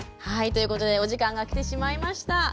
はいということでお時間が来てしまいました。